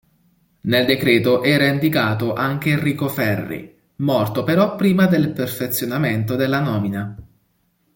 Nel decreto era indicato anche Enrico Ferri, morto però prima del perfezionamento della nomina.